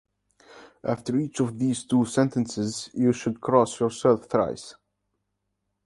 After each of these two sentences you should cross yourself thrice.